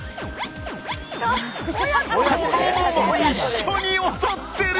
子どもも一緒に踊ってる。